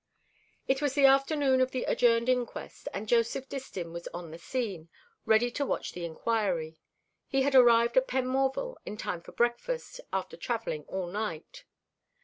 It was the afternoon of the adjourned inquest, and Joseph Distin was on the scene, ready to watch the inquiry. He had arrived at Penmorval in time for breakfast, after travelling all night.